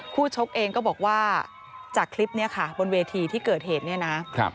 ชกเองก็บอกว่าจากคลิปนี้ค่ะบนเวทีที่เกิดเหตุเนี่ยนะ